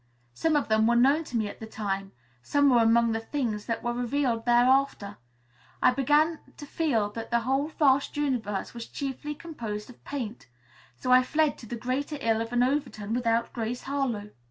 Some of them were known to me at the time; some were among the things that were revealed thereafter. I began to feel that the whole vast universe was chiefly composed of paint. So I fled to the greater ill of an Overton without Grace Harlowe.